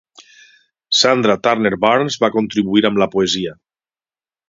Sandra Turner-Barnes va contribuir amb la poesia.